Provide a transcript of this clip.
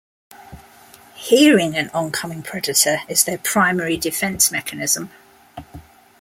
Hearing an oncoming predator is their primary defense mechanism.